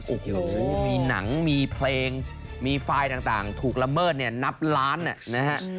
โอ้โหมีหนังมีเพลงมีไฟล์ต่างถูกละเมิดเนี่ยนับล้านนะฮะ